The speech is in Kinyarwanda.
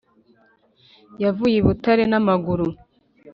Yavuye I butare namaguru